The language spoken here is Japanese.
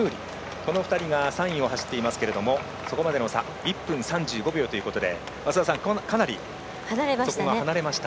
この２人が３位を走っていますがそこまでの差１分３５秒ということでかなり離れました。